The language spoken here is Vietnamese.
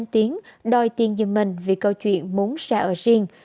tiến đòi tiền giữ mình vì câu chuyện muốn xa ở riêng